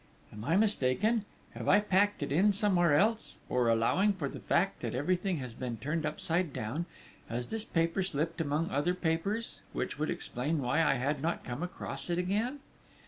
_ _Am I mistaken? Have I packed it in somewhere else, or, allowing for the fact that everything had been turned upside down, has this paper slipped among other papers, which would explain why I had not come across it again?